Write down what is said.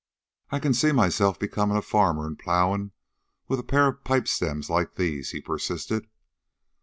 "I can see myself becomin' a farmer an' plowin' with a pair of pipe stems like these," he persisted.